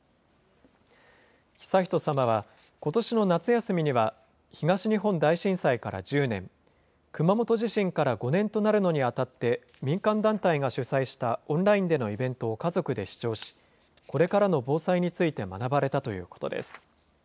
悠仁さまは、ことしの夏休みには、東日本大震災から１０年、熊本地震から５年となるのにあたって、民間団体が主催したオンラインでのイベントを家族で視聴し、これからの防災について学ばれたということです。